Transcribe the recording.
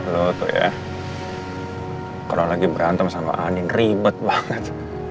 lo tuh ya kalau lagi berantem sama andien ribet banget